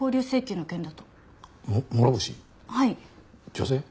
女性？